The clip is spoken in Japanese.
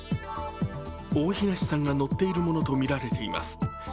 大東さんが乗っているものとみられています。